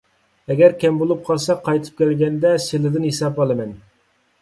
ئەگەر كەم بولۇپ قالسا، قايتىپ كەلگەندە سىلىدىن ھېساب ئالىمەن.